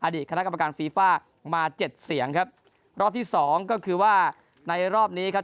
คณะกรรมการฟีฟ่ามาเจ็ดเสียงครับรอบที่สองก็คือว่าในรอบนี้ครับ